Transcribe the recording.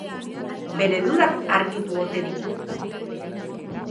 Bere dudak argitu ote ditu?